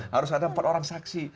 harus ada empat orang saksi